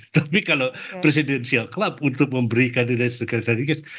tapi kalau presidential club untuk memberikan kredit